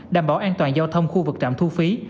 đảm bảo an toàn giao thông khu vực trạm thu phí